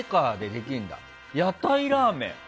屋台ラーメン。